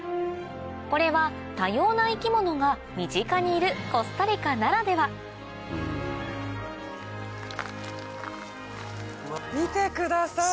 これは多様な生き物が身近にいるコスタリカならでは見てください